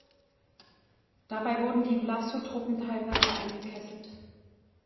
Dabei wurden die Wlassow-Truppen teilweise eingekesselt.